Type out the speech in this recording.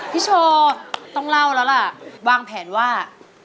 พี่โชว์ต้องเล่าแล้วล่ะวางแผนว่า